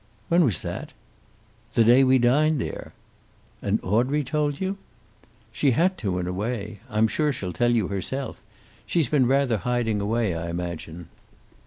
"When was that?" "The day we dined there." "And Audrey told you?" "She had to, in a way. I'm sure she'll tell you herself. She's been rather hiding away, I imagine."